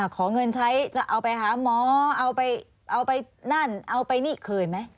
ขอเงินใช้จะเอาไปหาหมอเอาไปเอาไปนั่นเอาไปนี่คืนไหม